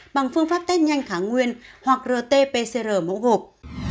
bằng phương pháp test nhanh kháng nguyên hoặc rt pcr mẫu gộp